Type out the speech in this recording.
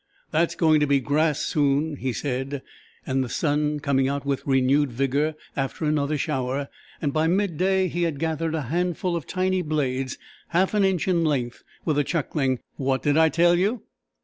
"That's going to be grass soon," he said, and, the sun coming out with renewed vigour after another shower, by midday he had gathered a handful of tiny blades half an inch in length with a chuckling "What did I tell you?"